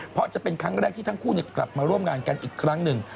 เพราะจะเป็นครั้งแรกที่ทั้งคู่กลับมาร่วมงานกันอีกครั้งหนึ่ง